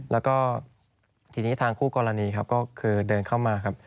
แล้วก็ทีนี้ทางคู่กรณีครับก็คือเดินเข้ามาครับ